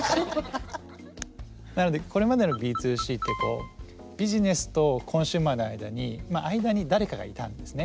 なのでこれまでのＢ２Ｃってビジネスとコンシューマーの間に誰かがいたんですね。